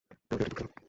এই অডিওটি দুঃখজনক।